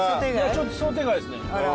ちょっと想定外っすね